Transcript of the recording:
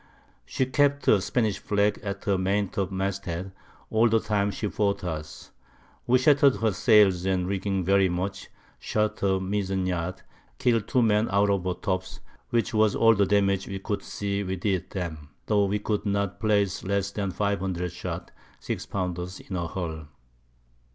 She kept a Spanish Flag at her Main top mast Head all the time she fought us; we shatter'd her Sails and Rigging very much, shot her Mizon yard, kill'd two Men out of her Tops, which was all the Damage we could see we did 'em; tho' we could not place less than 500 Shot (6 Pounders) in her Hull.